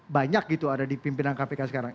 banyak gitu ada di pimpinan kpk sekarang